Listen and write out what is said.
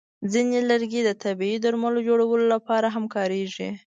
ځینې لرګي د طبیعي درملو جوړولو لپاره هم کارېږي.